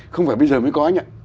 không phải bây giờ mới có anh ạ